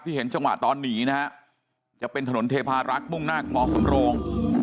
ที่เห็นจังหวะตอนหนีนะครับจะเป็นถนนเทพารักษ์มุ่งหน้าของสมโลง